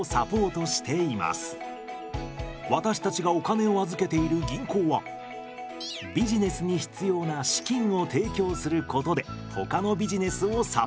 私たちがお金を預けている銀行はビジネスに必要な資金を提供することでほかのビジネスをサポート。